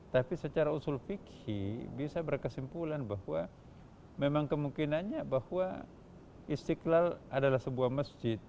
tapi secara usul fikih bisa berkesimpulan bahwa memang kemungkinannya bahwa istiqlal adalah sebuah masjid